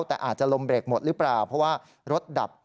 แต่อาจจะลมเบรกหมดหรือเปล่าเพราะว่ารถดับ